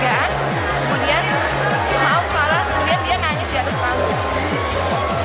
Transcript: kemudian maaf salah dia nanya siapa itu